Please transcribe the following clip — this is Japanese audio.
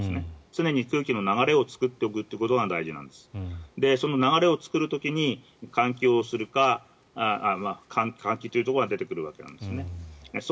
常に空気の流れを作っておくことが大事でその流れを作る時に換気というところが出てくるわけなんですね。